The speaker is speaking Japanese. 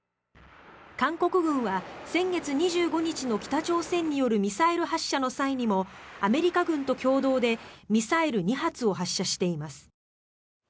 韓国軍は、先月２５日の北朝鮮によるミサイル発射の際にもアメリカ軍と共同でミサイル２発を発射しています。